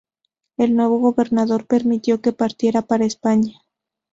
El nuevo gobernador permitió que partiera para España.